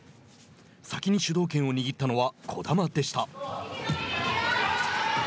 先に主導権を握ったのは児玉でした。